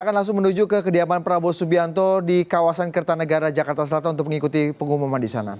akan langsung menuju ke kediaman prabowo subianto di kawasan kertanegara jakarta selatan untuk mengikuti pengumuman di sana